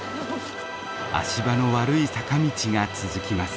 足場の悪い坂道が続きます。